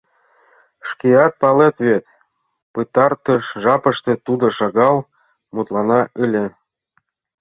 Шкеат палет вет, пытартыш жапыште тудо шагал мутлана ыле.